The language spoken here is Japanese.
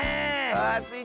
ああスイ